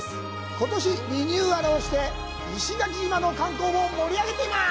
ことし、リニューアルをして、石垣島の観光を盛り上げています。